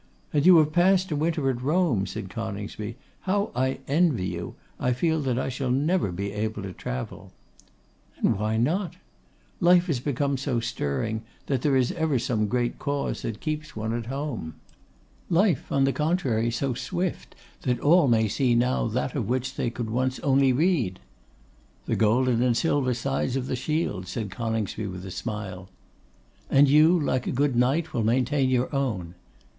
'And you have passed a winter at Rome,' said Coningsby. 'How I envy you! I feel that I shall never be able to travel.' 'And why not?' 'Life has become so stirring, that there is ever some great cause that keeps one at home.' 'Life, on the contrary, so swift, that all may see now that of which they once could only read.' 'The golden and silver sides of the shield,' said Coningsby, with a smile. 'And you, like a good knight, will maintain your own.